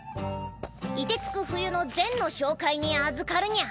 凍てつく冬のゼンの紹介にあずかるニャ。